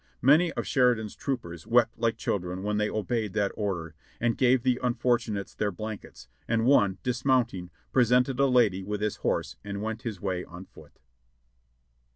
Many of Sheridan's troopers wept like children when they obeyed that order, and gave the unfortunates their blankets, and one, dis mounting, presented a lady with his horse and went his way on foot.